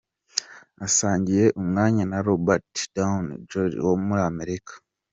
Asangiye umwanya na Robert Downey Jr, wo muri Amerika.